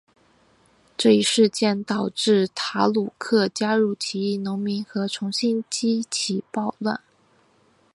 这一事件导致塔鲁克加入起义农民和重新激起暴乱。